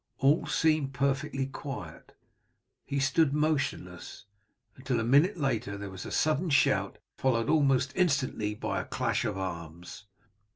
All seemed perfectly quiet. He stood motionless, until a minute later there was a sudden shout, followed almost instantly by a clash of arms.